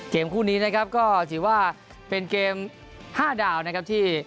เกมคู่นี้นะครับก็ถือว่าเป็นเกม๕ดาวนะครับที่